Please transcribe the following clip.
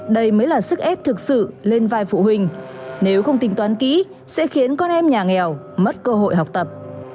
đây mới là sức ép thực sự lên vai phụ huynh nếu không tính toán kỹ sẽ khiến con em nhà nghèo mất cơ hội học tập